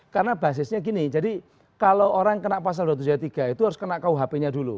karena basisnya gini jadi kalau orang kena pasal dua ratus tujuh puluh tiga itu harus kena kuhp nya dulu